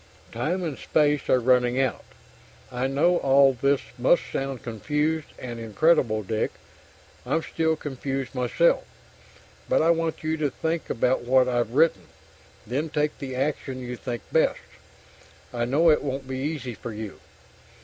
Time and space are running out. I know all this must sound confused and incredible, Dick; I'm still confused myself. But I want you to think about what I've written, then take the action you think best. I know it won't be easy for you.